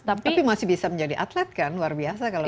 tapi masih bisa menjadi atlet kan luar biasa